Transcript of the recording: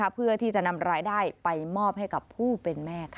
เพื่อที่จะนำรายได้ไปมอบให้กับผู้เป็นแม่ค่ะ